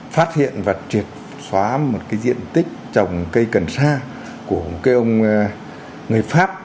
phát hiện và triệt xóa một cái diện tích trồng cây cần xa của một cái ông người pháp